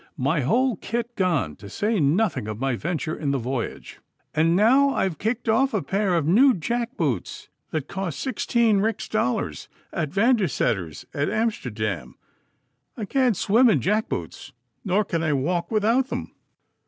My whole kit gone, to say nothing of my venture in the voyage! And now I have kicked off a pair of new jack boots that cost sixteen rix dollars at Vanseddar's at Amsterdam. I can't swim in jack boots, nor can I walk without them.